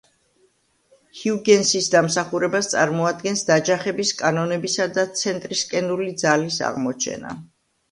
ჰიუგენსის დამსახურებას წარმოადგენს დაჯახების კანონებისა და ცენტრისკენული ძალის აღმოჩენა.